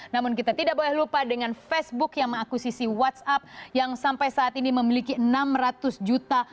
namun kita tidak boleh lupa dengan facebook yang mengakuisisi whatsapp yang sampai saat ini memiliki enam ratus juta